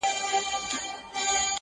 فکر کوم نورستان کي یو قتل سوی دی